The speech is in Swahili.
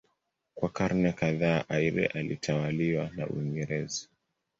Kwa karne kadhaa Eire ilitawaliwa na Uingereza.